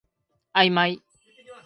あいまい